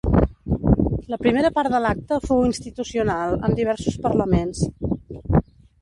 La primera part de l’acte fou institucional, amb diversos parlaments.